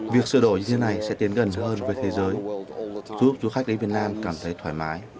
việc sửa đổi như thế này sẽ tiến gần hơn với thế giới giúp du khách đến việt nam cảm thấy thoải mái